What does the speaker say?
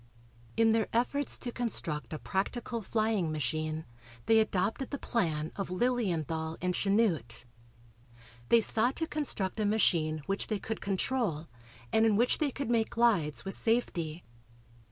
In their efforts to construct a practical flying machine they adopted the plan of Lilienthal and Chanute. They sought to construct a machine which they could control and in which they could make glides with safety.